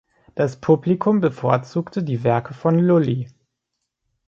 Das Publikum bevorzugte die Werke von Lully.